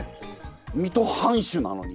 水戸藩主なのに？